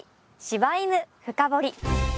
「柴犬深掘り！」。